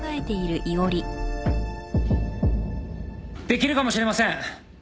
できるかもしれません。